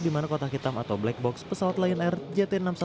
di mana kotak hitam atau black box pesawat lion air jt enam ratus sepuluh